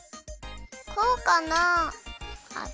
こうかな？